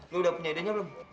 lo udah punya idenya belum